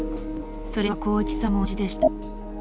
それは孝一さんも同じでした。